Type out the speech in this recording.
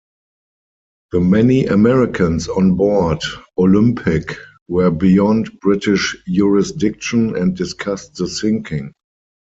The many Americans on board "Olympic" were beyond British jurisdiction and discussed the sinking.